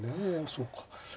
そうか。